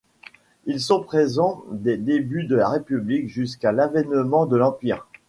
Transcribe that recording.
Ils sont présents des débuts de la République jusqu'à l'avènement de l'Empire.